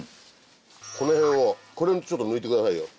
この辺ちょっと抜いてくださいよ。